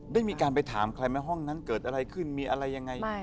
ได้มีการไปถามใครไหมห้องนั้นเกิดอะไรขึ้นมีอะไรยังไง